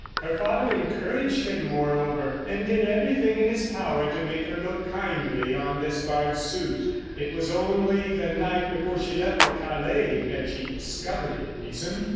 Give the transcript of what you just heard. Her father encouraged him, moreover, and did everything in his power to make her look kindly on Despard's suit. It was only the night before she left for Calais that she discovered the reason.